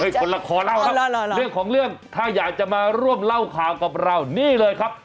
คนละครเรื่องของเรื่องถ้าอยากจะมาร่วมเล่าข่าวกับเรานี่เลยครับ